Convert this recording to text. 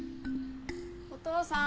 お父さん？